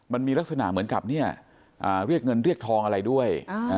มันมีลักษณะเหมือนกับเนี่ยเรียกเงินเรียกทองอะไรด้วย